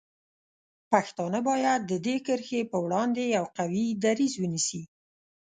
پښتانه باید د دې کرښې په وړاندې یو قوي دریځ ونیسي.